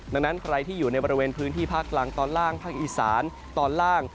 ดังนั้นใครที่อยู่ในบริเวณพื้นที่ภาคกลางตอนล่างภาคอีสานตอนล่าง